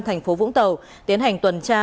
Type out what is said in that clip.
thành phố vũng tàu tiến hành tuần tra